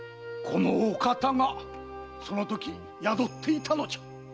このお方がそのとき宿っていたのじゃ！